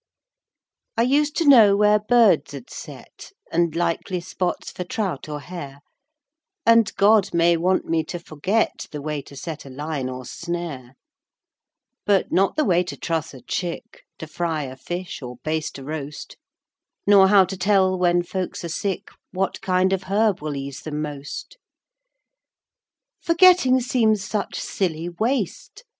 I used to know where birds ud set, And likely spots for trout or hare, And God may want me to forget The way to set a line or snare; But not the way to truss a chick, To fry a fish, or baste a roast, Nor how to tell, when folks are sick, What kind of herb will ease them most! Forgetting seems such silly waste!